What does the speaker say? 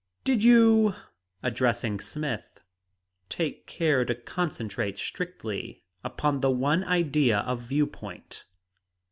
Did you" addressing Smith "take care to concentrate strictly upon the one idea of view point?"